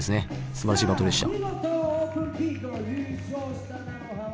すばらしいバトルでした。